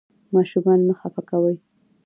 ماشومان مه خفه کوئ.